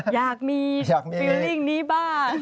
อยากมีความรู้สึกนี้บ้าง